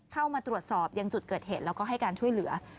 เข้ามาตรวจสอบยังจุดเกิดเหตุแล้วก็ให้การช่วยเหลือ